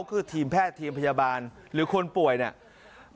ก็คือทีมแพทย์ทีมพยาบาลหรือคนป่วยเนี่ย